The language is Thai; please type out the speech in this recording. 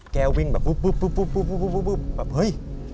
แกวิ่งแบบปุ๊บแบบเฮ้ย